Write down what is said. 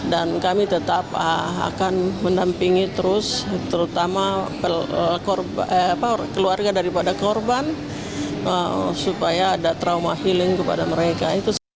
dan kami tetap akan menampingi terus terutama keluarga daripada korban supaya ada trauma healing kepada mereka